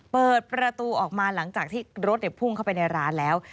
เปิดประตูออกมาหลังจากที่รถพุ่งเข้าไปในร้านแล้ว